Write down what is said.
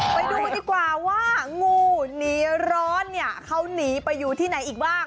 ไปดูดีกว่าว่างูหนีร้อนเนี่ยเขาหนีไปอยู่ที่ไหนอีกบ้าง